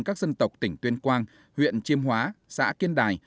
các dân tộc tỉnh tuyên quang huyện chiêm hóa xã kiên đài